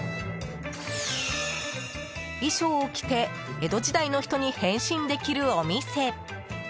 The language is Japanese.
衣装を着て江戸時代の人に変身できるお店。